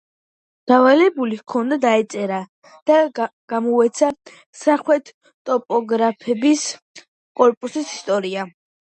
დავალებული ჰქონდა დაეწერა და გამოეცა სამხედრო ტოპოგრაფების კორპუსის ისტორია.